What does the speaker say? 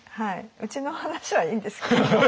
うちの話はいいんですけど。